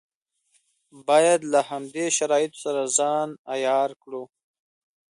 باید له همدې شرایطو سره ځان عیار کړو.